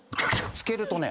漬けるとね。